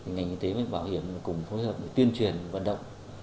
ngành y tế với bảo hiểm cùng phối hợp để tuyên truyền vận động